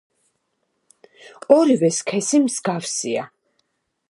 ორივე სქესი მსგავსია.